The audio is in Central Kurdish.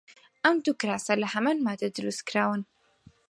ئەم دوو کراسە لە هەمان ماددە دروست کراون.